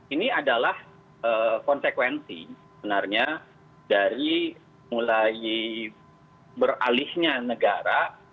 ini adalah konsekuensi sebenarnya dari mulai beralihnya negara